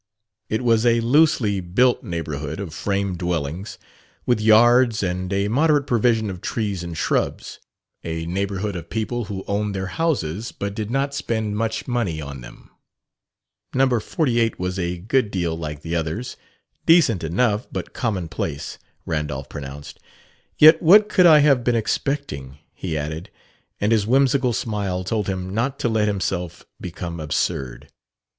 It was a loosely built neighborhood of frame dwellings, with yards and a moderate provision of trees and shrubs a neighborhood of people who owned their houses but did not spend much money on them. Number 48 was a good deal like the others. "Decent enough, but commonplace," Randolph pronounced. "Yet what could I have been expecting?" he added; and his whimsical smile told him not to let himself become absurd.